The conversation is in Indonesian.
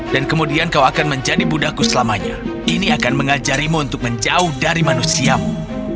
dan kemudian kau akan menjadi buddhaku selamanya ini akan mengajarimu untuk menjauh dari manusiamu